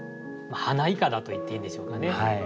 花いかだといっていいんでしょうかね。